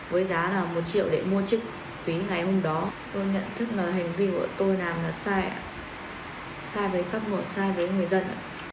với giá là một triệu để mua chức phí ngày hôm đó tôi nhận thức là hành vi của tôi làm là sai sai với các người sai với người dân